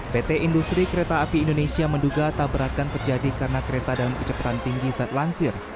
pt industri kereta api indonesia menduga tabrakan terjadi karena kereta dalam kecepatan tinggi saat lansir